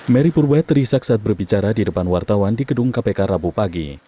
mary purba terisak saat berbicara di depan wartawan di gedung kpk rabu pagi